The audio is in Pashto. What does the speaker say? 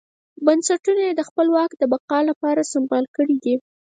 بنسټونه یې د خپل واک د بقا لپاره سمبال کړي دي.